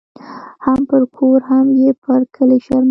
هم پر کور هم یې پر کلي شرمولې